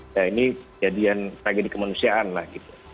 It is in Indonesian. nah ini tragedi kemanusiaan lah gitu